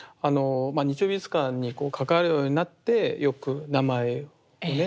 「日曜美術館」に関わるようになってよく名前をね